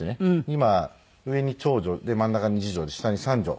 今上に長女真ん中に次女下に三女。